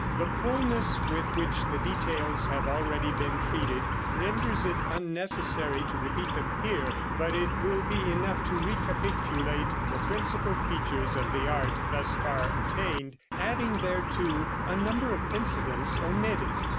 The fullness with which the details have already been treated renders it unnecessary to repeat them here, but it will be enough to recapitulate the principal features of the art thus far attained, adding thereto a number of incidents omitted.